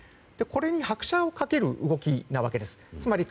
これに拍車を掛ける動きなわけです。